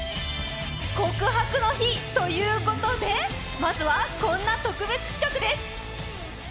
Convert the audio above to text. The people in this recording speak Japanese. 告白の日ということでまずはこんな特別企画です。